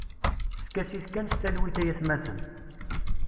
Skasit kan s talwit ay atmaten.